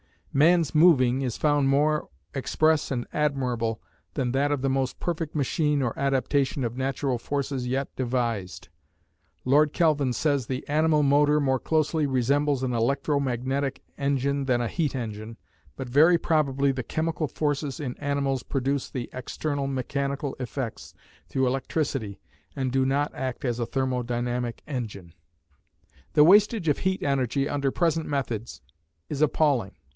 Man's "moving" is found more "express and admirable" than that of the most perfect machine or adaptation of natural forces yet devised. Lord Kelvin says the animal motor more closely resembles an electro magnetic engine than a heat engine, but very probably the chemical forces in animals produce the external mechanical effects through electricity and do not act as a thermo dynamic engine. The wastage of heat energy under present methods is appalling.